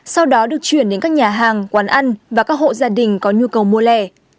sau đó được chuyển đến các nhà hàng quán ăn và các hộ gia đình có nhu cầu mua lẻ